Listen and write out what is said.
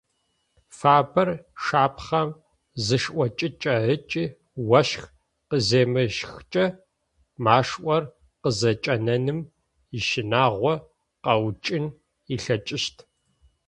Фабэр шапхъэм зышӏокӏыкӏэ ыкӏи ощх къыземыщхыкӏэ машӏор къызэкӏэнэным ищынагъо къэуцун ылъэкӏыщт.